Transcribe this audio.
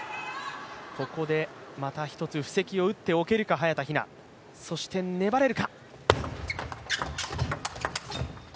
ここでまた１つ、布石を打っていけるか、早田ひな、そして粘れるか。